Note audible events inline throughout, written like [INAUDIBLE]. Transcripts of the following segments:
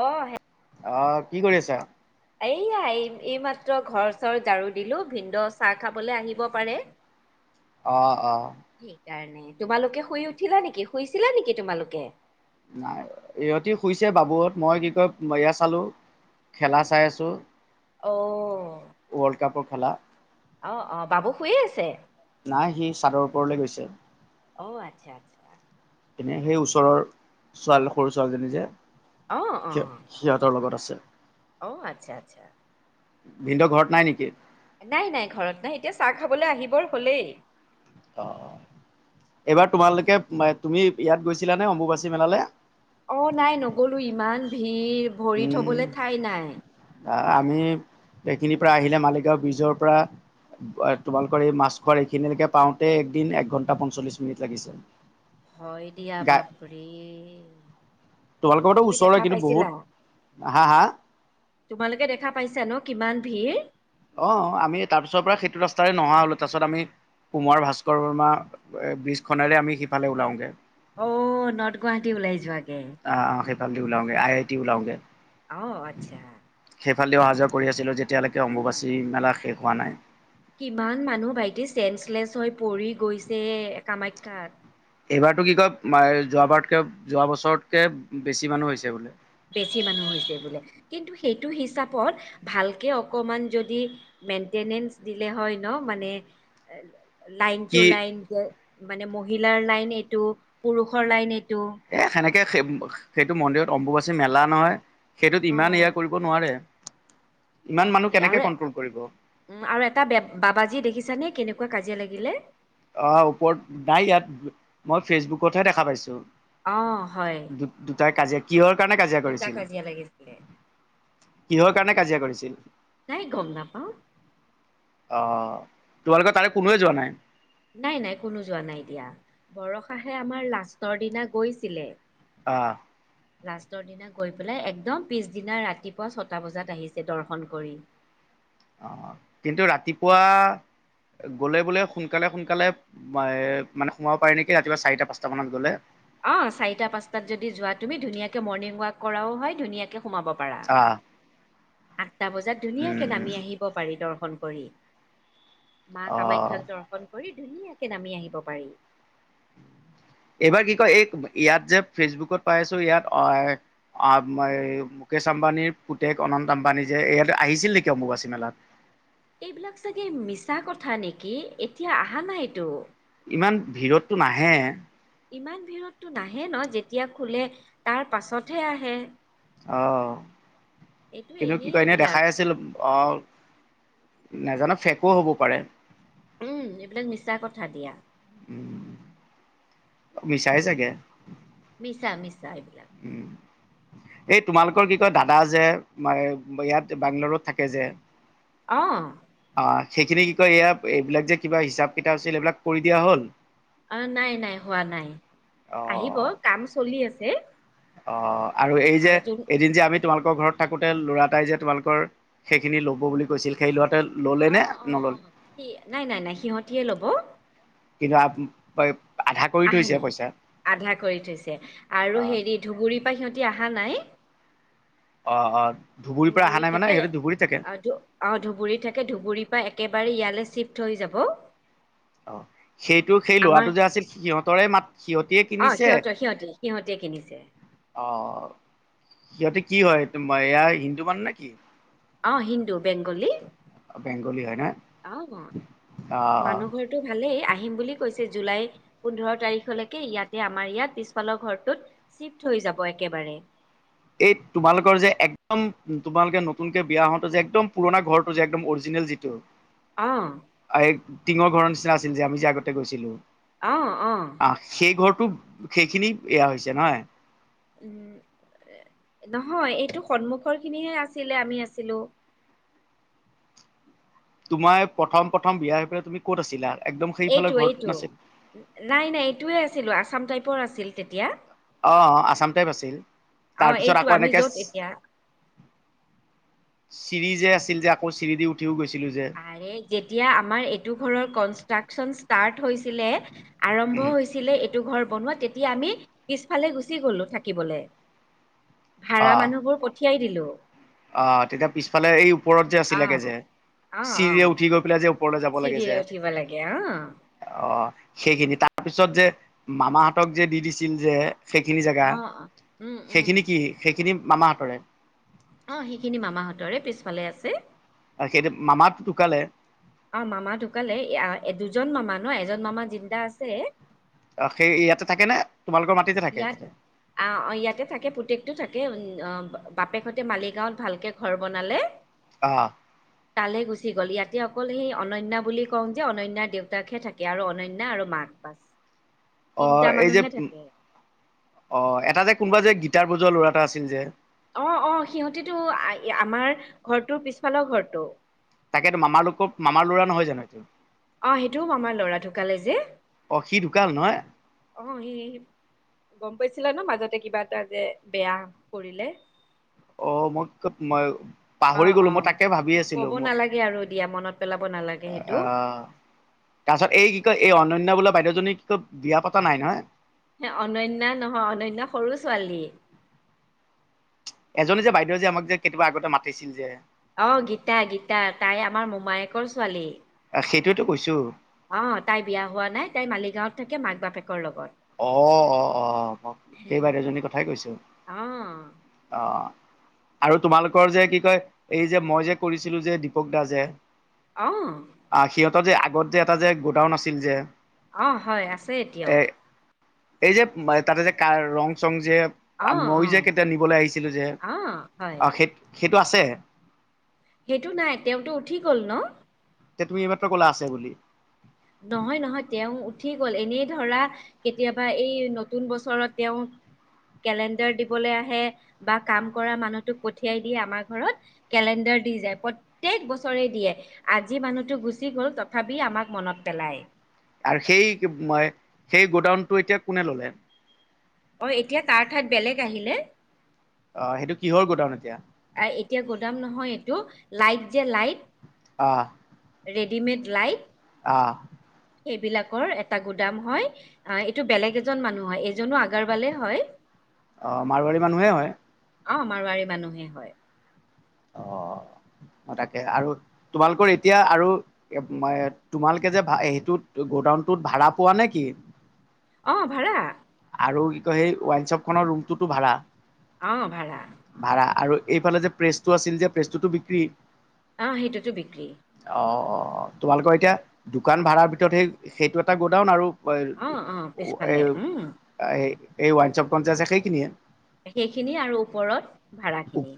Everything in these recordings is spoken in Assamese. অ সেই আহ কি কৰি আছা এইয়া এই মাত্ৰ ঘৰ চৰ ঝাৰু দিলো ভিনন্দ চাহ খাবলৈ আহিব পাৰে উ অ' অ' [UNINTELLIGIBLE] সেই কাৰণে তোমালোকে শুই উঠিলা নেকি শুইছিলা নেকি তোমালোকে নাই ইহঁতি শুইছে বাবুত মই কি কয় এয়া চালো খেলা চাই আছো অ ৱৰ্ল্ড কাপৰ খেলা, অ অ বাবু শুইয়ে আছে নাই সি চাদৰ ওপৰলৈ গৈছে। অ আচ্ছা আচ্ছা এনে সেই ওচৰৰ ছোৱালী সৰু ছোৱালীজনী যে অ অ স সিহঁতৰ লগত আছে অ আচ্ছা আচ্ছা ভিনন্দ ঘৰত নাই নেকি নাই নাই ঘৰত নাই এতিয়া চাহ খাবলৈ আহিবৰ হলেই অ এইবাৰ তোমালোকে তুমি ইয়াত গৈছিলা নে অম্বুবাচী মেলালৈ অ নাই নগলো ইমান ভিৰ ভৰি উম, থবলৈ ঠাই নাই আমি সেইখিনিৰ পৰা আহিলে মালিগাঁও ব্ৰিজৰ পৰা তোমালোকৰ এই মাছখোৱা এইখিনিলৈকে পাওঁতে একদিন এক ঘন্টা পঞ্চল্লিশ মিনিট লাগিছে হয় দিয়া গা বাপৰে তোমালোকৰ ঘৰতো তুমি ওচৰৰে দেখা কিন্তু বহুত পাইছিলা হা হা তোমালোকে দেখা পাইছা ন' কিমান ভিৰ? অ আমি তাৰ পিছৰ পৰা সেইটো ৰাস্তাৰে নহা হলো তাৰপিছত আমি কুমাৰ ভাস্কৰ বৰ্মা ব্ৰীজখনেৰে আমি সিফালে ওলাওগে আহ নৰ্থ গুৱাহাটী ওলাই যোৱাকে আহ ওলাওঁগে আই আই টি ওলাওঁ গে আহ আচ্ছা ইফালেদি অহা যোৱা কৰি আো যেতিয়ালৈক উম, অম্বুবাচী আছিল বা শেষ হোৱা নাই কিমান মানুহ ভাইটি চেঞ্চলেচ হৈ পৰি গৈছে কামাখ্যাত এইবাৰতো কি কয় যোৱাবাৰতকৈ যোৱা বছৰতকৈ বেছি মানুহ হৈছে বোলে বেছি মানুহ হৈছে বোলে কিন্তু সেইটো হিচাপত ভালকে অকমান যদি মেইনটেনেঞ্চ দিলে হয় ন মানে লাইন টু কি লাইন যে মানে মহিলাৰ লাইন এইটো পুৰুষৰ লাইন এইটো এ সেনেকে সেই সেইটো মন্দিৰত অম্বুবাচী মেলা নহয় সেইটোত ইমান অ' এয়া কৰিব নোৱাৰে ইমান মানুহ বাপৰে কেনেকে আৰু কন্ট্ৰল কৰিব উম আৰু এটা বাবাজী দেখিছানে কেনেকা কা কাজিয়া লাগিলে অ ওপৰত নাই ইয়াত মই ফেচবুকতহে দেখা পাইছোঁ অ', হয়। দু দুটাই কাজিয়া কিহৰ কাৰণে কাজিয়া দুটা কৰিছিল? কাজিয়া লাগিছিলে। কিহৰ কাৰণে কাজিয়া কৰিছিল? নাই গম নাপাওঁ। অ', তোমালোকৰ তাৰে কোনোৱে যোৱা নাই? নাই, নাই কোনো যোৱা নাই দিয়া, বৰষাহে আমাৰ লাষ্টৰ দিনা গৈছিলে। অ'। লাষ্টৰ দিনা গৈ পেলাই, একদম পিছদিনা ৰাতিপুৱা ছটা বজাত আহিছে দৰ্শন কৰি। অ', কিন্তু ৰাতিপুৱা গ'লে বোলে সোনকালে, সোনকালে মানে সোমাব পাৰি নেকি ৰাতিপুৱা চাৰিটা, পাঁচটা মানত গ'লে অ', চাৰিটা, পাঁচটাত যদি যোৱা তুমি ধুনীয়াকে মৰ্ণিং ৱাক কৰাও হয়, ধুনীয়া সোমাব পাৰা। আহ আঠটা বজাত ধুনীয়াকে উম উম নামি আহিব পাৰি দৰ্শন কৰি। মা অ'। কামাখ্যাক দৰ্শন কৰি ধুনীয়াকে নামি আহিব পাৰি। এইবাৰ কি কয়, এই ইয়াত যে, ফেচবুকত পায় আছোঁ ইয়াত অহ আ, মুকেশ আম্বানীৰ পুতেক অনন্ত আম্বানী যে, ইয়াত আহিছিল নেকি অম্বুবাচী মেলাত? এইবিলাক চাগে মিছা কথা নেকি? এতিয়া আহা নাইটো। ইমান ভিৰতটো নাহে। ইমান ভিৰততো নাহে ন যেতিয়া খোলে তাৰ পাছতহে আহে। অ' এইটো কিন্তু কি কয় এনেই এইবিলাক দেখাই আছিল। অহ নাজানো ফে'কো হ'ব পাৰে। উম, এইবিলাক মিছা কথা দিয়া। উম, মিছাই ছাগে। মিছা, মিছা এইবিলাক। এই তোমালোকৰ কি কয় দাদা যে ইয়াত বােংগালৰুত থাকে যে অ'। অঁ সেইখিনি কি কয় এইয়া এইবিলাক যে কিবা হিচাপ কিতাপ আছিল এইবিলাক কৰি দিয়া হ'ল? অ' নাই নাই হোৱা নাই, আহিব কাম চলি আছে। অ' আৰু এই যে এদিন যে আমি তোমালোকৰ ঘৰত থাকোতে ল'ৰা এটাই যে তোমালোকৰ সেইখিনি ল'ব বুলি কৈছিল সেই ল'ৰাটো ললে অ নে অ অ নল'লে? সি নাই নাই নাই সিহঁতিয়ে ল'ব কিন্ত আহা নাই আধা কৰি থৈছে আৰু অঁ হেৰি ধুবুৰী পৰা সিহঁতি আহা আহা নাই অঁ অঁ ধুবুৰীৰ পৰা অহা নাই ধুবুৰীত মানে থাকে, সিহঁতে ধুবুৰীত থাকে অ' ধু অ' ধুবুৰীত থাকে ধুবুৰীৰ পৰা একে বাৰে ইয়ালৈ চিফ্ট হৈ যাব। অ' সেইটো সেই আমাৰ লৰাটো যে আছিল সিহঁতৰে মাট সিহঁতেই অ কিনিছে, সিহঁতৰ সিহঁতে সিহঁতে কিনিছে অ'। সিহঁতে কি হয় তোমাৰ এয়া হিন্দু মানুহ নে কি? অ' হিন্দু বেংগলী। বেংগলী হয় নহয় অ' অ মানুহ ঘৰটো ভালেই আহিম বুলি কৈছে জুলাই পোন্ধৰ তাৰিখলৈকে ইয়াতে আমাৰ ইয়াত পিছফালৰ ঘৰটোত চিফ্ট হৈ যাব একেবাৰে। এই তোমালোকৰ যে, একদম তোমালোকে নতুনকে বিয়া হওঁতে যে, একদম পুৰণা ঘৰটো যে, একদম অৰজি নেল যিটো অ'। এই টিঙৰ ঘৰ নিচিনা আছিল যে, আমি যে, আগতে গৈছিলোঁ অ', অ'। টো, সেইখিনি এয়া হৈছে নহয়। উম নহয় এইটো সন্মুখৰ খিনিহে আছিলে আমি আছিলো তোমাৰ প্ৰথম প্ৰথম বিয়া হৈ পেলাই তুমি ক'ত আছিলা আৰু এইটো এইটো নাই নাই এইটোৱে আছিলো আসাম টাইপৰ আছিল তেতিয়া। অ আসাম টাইপ আছিল অ তাৰপিছত এইটো আকৌ আমি এনেকে য'ত এতিয়া চিৰি যে আছিল যে আকৌ চিৰি দি উঠিও গৈছিল আৰে যেতিয়া আমাৰ এইটো ঘৰৰ কনষ্ট্ৰাকচন ষ্টাৰ্ট হৈছিলে আৰম্ভ হৈছিলে এইটো ঘৰ বনোৱা তেতিয়া আমি পিছফালে গুচি গলো থাকিবলৈ। ভাড়া মানুহবোৰ পঠিয়াই দিলো। অ' তেতিয়া পিছফালে এই ওপৰত যে আছিলেগে আহ যে। আহ আহ। চিৰিৰে উঠি গৈ পেলাই যে ওপৰলে যাব লাগে চিৰিৰে যে উঠিব লাগে অ। আহ। সেইখিনি তাৰ পিছত যে মামাহতক যে দি দিছিল যে। সেইখিনি জেগা অ অ। উম উম সেইখিনি কি সেইখিনি মামাহঁতৰে অ', সেইখিনি মামাহঁতৰে পিছফালে আছে সেইটো মামাত ঢুকালে অ মামা ঢুকালে দুজন মামা ন এজন মামা জিন্দা আছে। অ' সেই ইয়াতে থাকে নে তোমালোকৰ মাটিতে থাকে ইয়াত তাতে অ' ইয়াতে থাকে পুতেকটো থাকে উম অ বাপেকহতে মালিগাঁৱত ভালকে ঘৰ বনালে। অঁ। তালে গুচি গ'ল ইয়াতে অকল সেই অনন্যা বুলি কওঁ যে অননয়াৰ দেউতাকহে থাকে আৰু অনন্যা আৰু মাক বাছ। [INAUDIBLE] অ তিনটা এই যে মানুহে উম থাকে অ এটা যে কোনোবা যে গীটাৰ বজোৱা ল'ৰা এটা আছিল যে। অ' অ' সিহঁতিটো আমাৰ ঘৰটোৰ পিছফালৰ ঘৰটো তাকেতো মামা লোকৰ মামাৰ ল'ৰা নহয় জানো এইটো অ সেইটোও আমাৰ লৰা ঢুকালে যে। অ সি ঢুকাল নহয় অ' এ গম কৈছিলা ন মাজতে কিবা এটা যে বেয়া কৰিলে। অ মোক ম [INAUDIBLE] অ পাহৰি গলো অ মই তাকে ভাবি আছিলো ক'ব মই নালাগে আৰু দিয়া মনত পেলাব নালাগে সেইটো আহ। তাৰ পাছত এই কি কয় এই অনন্যা বোলা বাইদেউজনী কি কয় বিয়া পতা নাই নহয় হ অনন্যা নহয় অনন্যা সৰু ছোৱালী এজনী যে বাইদেউ যে আমাক যে কেতিয়াবা আগতে মাতিছিল যে অ' গীতা গীতা তাই আমাৰ মোমায়েকৰ ছোৱালী সেইটোৱতো কৈছোঁ। অ তাই বিয়া হোৱা নাই তাই মালিগাঁৱত থাকে মাক বাপে অ অ অ সেই বাইদেউজনী কথাই কৈছো অ আহ। আৰু তোমালোকৰ যে কি কয় এই যে মই যে কৰিছিলো যে দীপক দা যে আহ অ', সিহঁতৰ যে আগত যে এটা যে গোডাউন আছিল যে। অ', হয় আছে এতিয়াও এ এই যে তাতে যে কাৰ ৰং চং যে অ অ মইয়ো যে কেতিয়া নিবলৈ আহিছিলো যে অ হয় অ' সেই সেইটো আছে সেইটো নাই তেওঁতো উঠি গল ন। এতিয়া তুমি এইমাত্ৰ ক'লা আছে বুলি নহয় নহয় তেওঁ উঠি গল এনেই ধৰা কেতিয়াবা এই নতুন বছৰত তেওঁ। কেলেণ্ডাৰ দিবলৈ আহে বা কাম কৰা মানুহটোক পঠিয়াই দিয়ে আমাৰ ঘৰত কেলেণ্ডাৰ। অ, দি যায় প্ৰত্যেক বছৰে দিয়ে আজি মানুহতো গুচি গ'ল তথাপি আমাক মনত পলাই। আৰু সেই মই সেই গোডাউনটো এতিয়া কোনে ল'লে? অ এতিয়া তাৰ ঠাইত বেলেগ আহিলে। অ, সেইটো কিহৰ গুডাউন এতিয়া। আহ এতিয়া গুদাম নহয় এইটো। লাইট যে লাইট অহ। ডিমেড লাইট অহ। সেইবিলাকৰ এটা গুদাম হয়। আহ এইটো বেলেগ এজন মানুহ হয়, এইজনো আগৰৱালে হয়। অ মাৰোৱাৰী মানুহে হয়? অ মাৰোৱাৰী মানুহে হয়। অ অ, তাকে আৰু তোমালোকৰ এতিয়া আৰু তোমালোকে যে ভ সেইটো গ'ডাউনতটোত ভাড়া পোৱা নে কি। অহ, ভাড়া। আৰু কি কয় সেই ৱাইনশ্বপখনৰ ৰুমটোতো ভাড়া অ, ভাড়া ভাড়া আৰু এইফালে যে প্ৰেচটো আছিল যে প্ৰেচটোতো বিক্ৰী? আহ সেইটোতো বিক্ৰী। অ অ তোমালোকৰ এতিয়া দোকান ভাড়াৰ ভিতৰত সেই সেইটো এটা গোডাউন আৰু অ অ পিছফালে উম [UNINTELLIGIBLE] এই -এই ওৱান চপখনযে আছে সেইখিনিয়ে। সেইখিনি আৰু ওপৰত ভাৰা খিনি।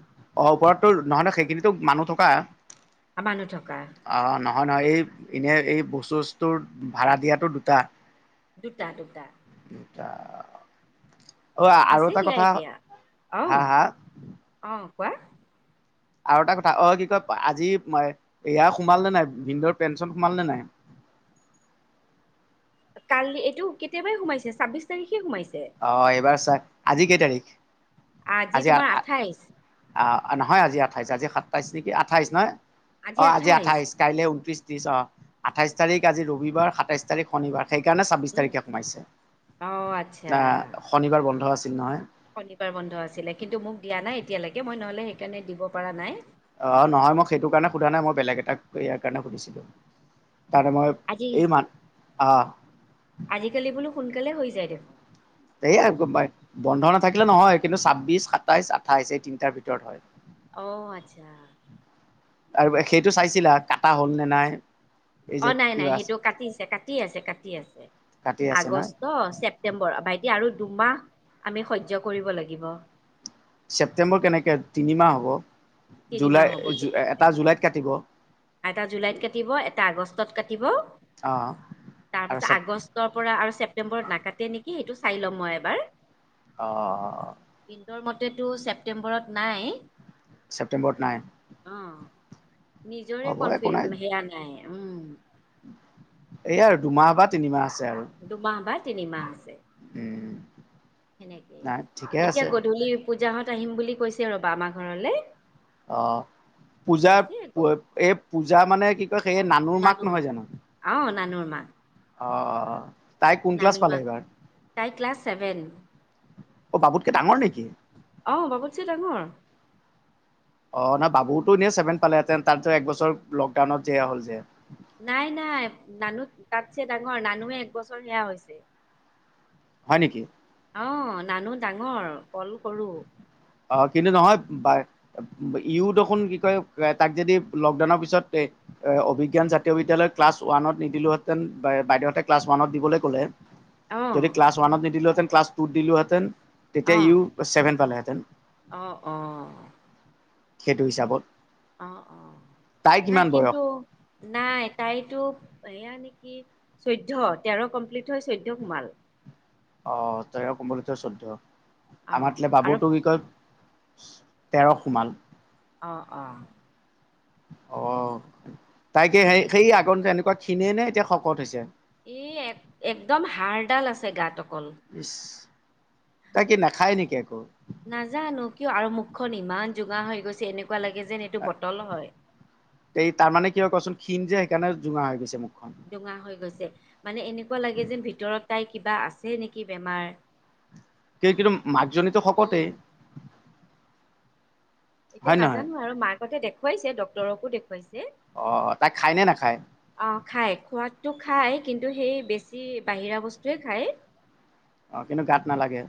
তোৰ নহয় ন' সেইখিনিতো মানুহ থকা। অ, মানুহ থকা। হয় নহয় এই এনে এই বস্তু- চস্তৰ ভাড়া দিয়াতো দুটা। দুটা-দুটা। [UNINTELLIGIBLE] অ, আৰু আছে এটা দিয়া কথা এতিয়া অ হা - হা। অ কোৱা? আৰু এটা কথা অ, কি কয় আজি এয়া সোমাল নে নাই ভিনন্দৰ পেঞ্চন সোমাল নে নাই? কালি এইটো কেতিয়াবাই সোমাইছে ছাব্বিশ তাৰিখে সোমাইছে। অ, এইবাৰ চও আজি কেই তাৰিখ? আজি তোমাৰ আঠাইশ [UNINTELLIGIBLE] নহয় আজি আ আঠাইছ আজি সাতাইছ নেকি আঠাইছ নয় অ, আজি আঠাইছ কাইলে ঊনত্ৰিছ দিছ আঠাইছ তাৰিখ আজি ৰবিবাৰ সাতাইছ তাৰিখ শনিবাৰ। সেইকাৰণে ছাব্বিছ উম তাৰিখে সোমাইছে অ আচ্ছা না শনিবাৰ বন্ধ আছিল নহয়। শনিবাৰ বন্ধ আছিলে কিন্তু মোক দিয়া নাই এতিয়ালৈকে মই নহলে সেইকাৰণে দিব পাৰা নাই। অ, নহয় মই সেইটো কাৰণে সোধা নাই মই বেলেগ এটাক ইয়াৰ কাৰণে সুধিছিলোঁ। তাৰে মই আজি এইমান অ, আজিকালি বোলো সোনকালে হৈ যায় দেখোন। এইয়া [UNINTELLIGIBLE] বন্ধ নাথাকিলে নহয় কিন্তু ছাব্বিছ, সাতাইছ, আঠাইছ এই তিনটাৰ ভিতৰত হয়। অ, আচ্ছা। আৰু সেইটো চাইছিলা কাটা হ'ল নে নাই? এই অ, যে নাই-নাই কিবা সেইটো কাটিছে কাটি আছে- কাটি আছে। কাটি আছে নহয়। আগষ্ট, ছেপটেম্বৰ ভাইটি আৰু দুমাহ আমি সহ্য কৰিব লাগিব। ছেপ্টেম্বৰ কেনেকে তিনিমাহ হ'ব তিনিমাহ হ'ব জুলাই তেতিয়াহ'লে এটা জুলাইত কাটিব এটা জুলাইত কাটিব, এটা আগষ্টত কাটিব। অ তাৰ আৰু পাছত চেপ আগষ্টৰ পৰা আৰু ছেপ্তেম্বৰত নাকাটে নেকি সেইটো চাই ল'ম মই এবাৰ অঁ ' ৰ মতেটো ছেপ্টেম্বৰত নাই। ছেপ্তেম্বৰত নাই অঁ নিজৰে হ'ব একো কনফি নাই সেয়া নাই উম এই আৰু দুমাহ বা তিনিমাহ আছে আৰু দুমাহ বা তিনিমাহ আছে। উম সেনেকে নাই ঠিকে এতিয়া আছে গধূলি পূজাহত আহিম বুলি কৈছে ৰবা আমাৰ ঘৰলে। অ। পূজাৰ কৈছে এই পূজা মানে কি কয় সেই নানুৰ মাক নহয় জানো? মানুহৰ মাক আ নানি মা তাই ক্লাছ চেভেন। অ বাবুতকে ডাঙৰ নেকি? অ [UNINTELLIGIBLE] ডাঙৰ। অ নাই বাবুতো এনে চছেভেন পালেহেতেন তাৰিছত একবছৰ লকডাউনত যে হ'ল যে। নাই নাই নানু তাতছে ডাঙৰ নানুহে একবছৰ সেয়া হৈছে। হয় নেকি? অ নানু ডাঙৰ কল সৰো। অ কিন্তু নহয় বা ইও দেখোন কি কয় তাক যদি লকডাউনৰ পিছত এ অভিজ্ঞান জাতীয় বিদ্যয় ক্লাছ ওৱানত নিদিলোহেতেন বাইদেউহতে ক্লাছ ৱানত দিবলৈ ক'লে। অ যদি ক্লাছ ওৱানত নিদিলোহেঁতেন ক্লাছ টুত দিলো হেতেন তেতিয়া অ ই চছেভেন পালেহেঁতেন। অ অ। সেইটো হিচাপত অ অ তাই নাই কিমান বয়স কিন্তু নাই তাইতো এয়া নেকি চৈধ্য তেৰ কমপ্লিট হয় চৈধ্য সোমাল। অ তাই কোমল তই চৈধ্য অ আমাৰাত আৰু বাবুটো কি কয় তেৰ সোমাল। অ অ। অ তাইকে সেই সেই আগত জেনেকুৱা খিনিয়ে নে এতিয়া শকত হৈছে? এ এক একদম হাড়ডাল আছে গাতক। ইছ তাই কি নাখায় নেকি? [INAUDIBLE] নাজানো কিয় আৰু মুখখন ইমান জোগাৰ হৈ গৈছে এনেকুৱা লাগে যেন এইটো বটল হয়। [INAUDIBLE] তেই তাৰ মানে কি হয় কচোণ খিন যে সেইকাৰণে জোঙা হৈ গৈছে মানে- জোঙা হৈ গৈছে মানে এনেকুৱা লাগে যেন ভিতৰত তাই কিবা আছে নেকি বেমাৰ কি কিন্তু মাকজনীতো উম। শকতেই? এতিয়া হয় নহয় নাজানো আৰু মাকতে দেখুৱাইছে ডক্তৰকো দেখুৱাইছে। অ', তাই খায় নে নাখায় অ খাই খোৱাটো খাই কিন্তু সেই বেছি বাহিৰা বস্তুৱে খায়। অ কিন্তু গাত নালাগে।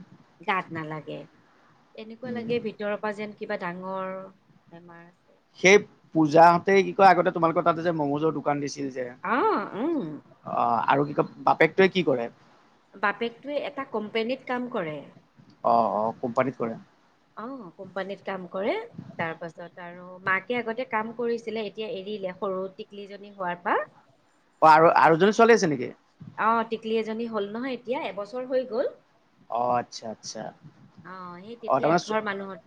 গাত নালাগে এনেকুৱা উম, লাগে ভিতৰৰ পৰা যেন কিবা ডাঙৰ বেমাৰ সেই পূজা হতেই কি কয় আগতে তোমালোকৰ তাতে যে মমোজৰ দোকান দিছে আহ উম। আৰু কি কয় বাপেকটোৱে কি কৰে? বাপেকটোৱে এটা কোম্পানীত কাম কৰে। অ অ কোম্পানীত কৰে। অ কোম্পানীত কাম কৰে তাৰ পাছত আৰু মাকে আগতে কাম কৰিছিলে এতিয়া এৰি দিলে সৰু টিকলিজনী হোৱাৰ পৰা। অ আৰু আৰু এজনী ছোৱালী আছে নেকি? অ টিকলি এজনী হল নহয় এতিয়া এবছৰ হৈ গল। অ', আচ্ছা আচ্ছা আহ সেই অ তেতিয়া তাৰমানে এঘৰ মানুহত